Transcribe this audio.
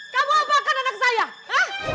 kamu apa akan anak saya hah